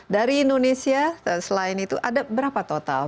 dari indonesia selain itu ada berapa total